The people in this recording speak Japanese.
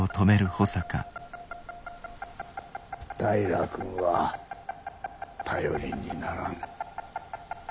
平君は頼りにならん。